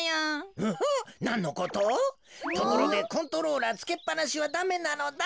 ところでコントローラーつけっぱなしはダメなのだ。